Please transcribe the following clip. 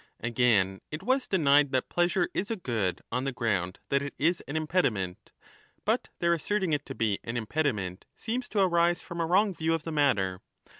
1206^ Again, it was denied ^ that pleasure is a good on the ground that it is an impediment. But their asserting it to be an impediment seems to arise from a wrong view of the matter.